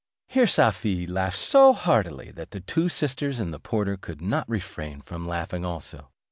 Here Safie laughed so heartily, that the two sisters and the porter could not refrain from laughing also.